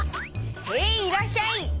へいいらっしゃい！